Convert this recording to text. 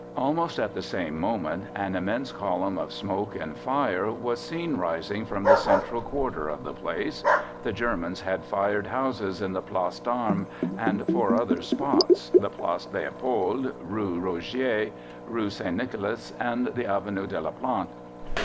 Almost at the same moment an immense column of smoke and fire was seen rising from the central quarter of the place: the Germans had fired houses in the Place d'Armes and four other spots, the Place Leopold, Rue Rogier, Rue St. Nicolas and the Avenue de la Plante.